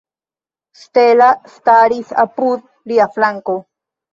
Stella staris apud lia flanko.